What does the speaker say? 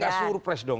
gak surprise dong